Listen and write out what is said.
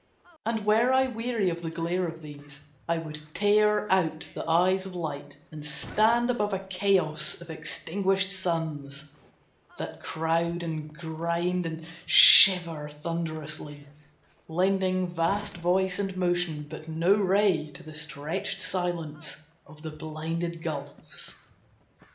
And were I weary of the glare of these, I would tear out the eyes of light, and stand Above a chaos of extinguished suns, That crowd, and grind, and shiver thunderously, Lending vast voice and motion, but no ray To the stretched silence of the blinded gulfs.